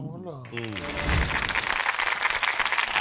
ดีหมดเหรอ